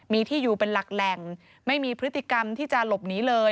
มีที่อยู่เป็นหลักแหล่งไม่มีพฤติกรรมที่จะหลบหนีเลย